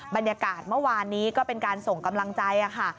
บรรยากาศเมื่อวานนี้ก็เป็นการส่งกำลังใจค่ะ